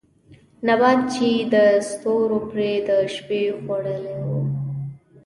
نبات چې يې د ستورو پرې د شپې خـوړلې وو